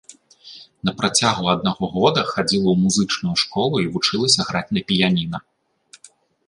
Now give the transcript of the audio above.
На працягу аднаго года хадзіла ў музычную школу і вучылася граць на піяніна.